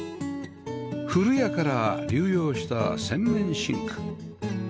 古家から流用した洗面シンク